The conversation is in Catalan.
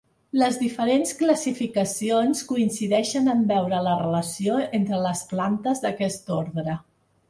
Les diferents classificacions coincideixen en veure la relació entre les plantes d'aquest ordre.